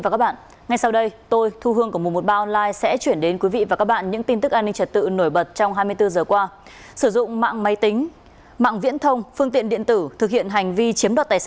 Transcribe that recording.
cảm ơn các bạn đã theo dõi